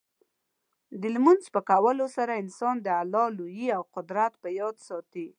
د لمونځ په کولو سره انسان د الله لویي او قدرت په یاد ساتي.